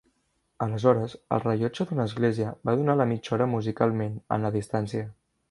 Aleshores el rellotge d'una església va donar la mitja hora musicalment, en la distància.